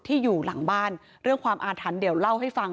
ที่อยู่หลังบ้านเรื่องความอาถรรพ์เดี๋ยวเล่าให้ฟัง